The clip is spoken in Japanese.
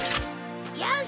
よし！